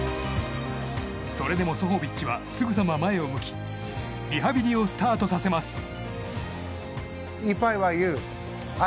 それでもソホビッチはすぐさま前を向きリハビリをスタートさせます。